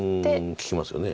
利きますよね。